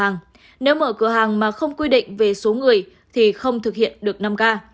nếu mở cửa hàng mà không quy định về số người thì không thực hiện được năm k